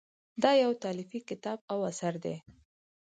دا یو تالیفي کتاب او اثر دی.